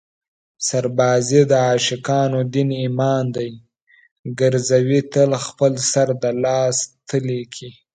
سربازي د عاشقانو دین ایمان دی ګرزوي تل خپل سر د لاس تلي کې